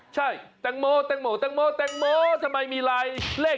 ใช่แตงโมทำไมมีไรเลข๗๔